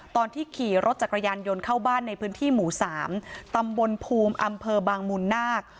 ตอนที่ขี่รถจักรยานยนต์เข้าบ้านในพื้นที่หมู่๓ตำบลภูมิอำเภอบางมูลนาค